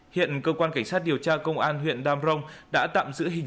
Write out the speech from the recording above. hiện cơ quan cảnh sát điều tra công an huyện dambrong đã tạm giữ hình